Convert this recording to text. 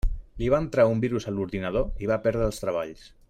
Li va entrar un virus a l'ordinador i va perdre els treballs.